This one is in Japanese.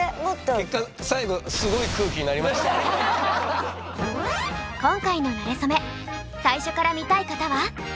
結果最後今回の「なれそめ」最初から見たい方は。